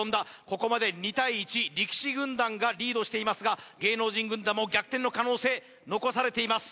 ここまで２対１力士軍団がリードしていますが芸能人軍団も逆転の可能性残されています